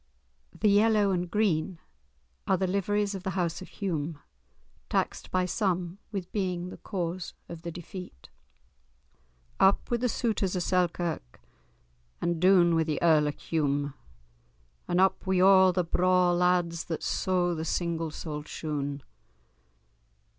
The "yellow and green" are the liveries of the house of Home, taxed by some with being the cause of the defeat. *THE SOUTERS OF SELKIRK* Up wi' the Souters of Selkirk, And doun wi' the Earl of Home; And up wi' a' the braw lads That sew the single soled shoon.